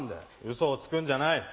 嘘をつくんじゃない。